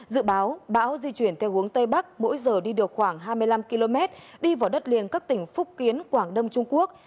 dự báo bão di chuyển theo hướng tây bắc mỗi giờ đi được khoảng hai mươi năm km đi vào đất liền các tỉnh phúc kiến quảng đông trung quốc